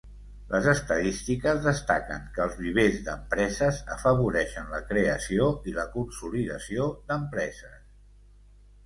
Les estadístiques destaquen que els vivers d'empreses afavoreixen la creació i la consolidació d'empreses.